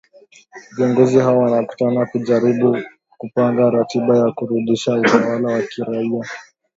Viongozi hao wanakutana kujaribu kupanga ratiba za kurudisha utawala wa kiraia